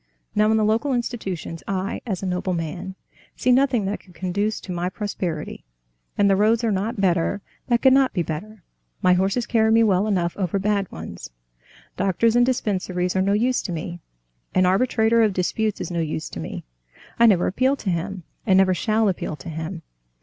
Now in the local institutions I, as a nobleman, see nothing that could conduce to my prosperity, and the roads are not better and could not be better; my horses carry me well enough over bad ones. Doctors and dispensaries are no use to me. An arbitrator of disputes is no use to me. I never appeal to him, and never shall appeal to him.